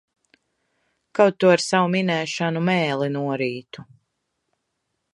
Kaut tu ar savu minēšanu mēli norītu!